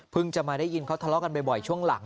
จะมาได้ยินเขาทะเลาะกันบ่อยช่วงหลัง